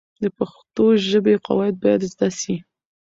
د پښتو ژبې قواعد باید زده سي.